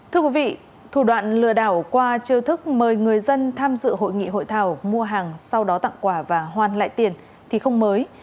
thưa quý vị thủ đoạn lừa đảo qua chiêu thức mời người dân tham dự hội nghị hội thảo mua hàng sau đó tặng quà và hoan lại tiền thì không mới